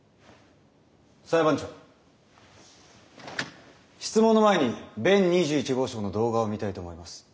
裁判長質問の前に弁２１号証の動画を見たいと思います。